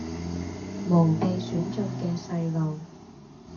無被選中嘅細路